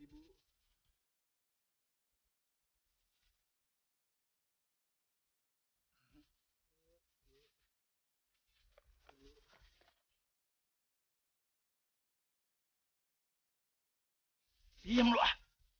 diam lu ah